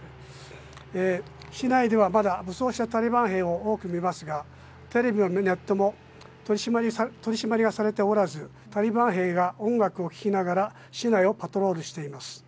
市内ではまだ武装したタリバン兵を多く見ますがテレビやネットも取り締まりがされておらずタリバン兵が音楽を聴きながら市内をパトロールしています。